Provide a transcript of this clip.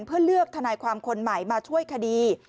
เพื่อเลือกทนายความคนใหม่มาช่วยคดี